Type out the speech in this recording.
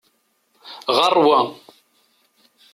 Ɣeṛ wa!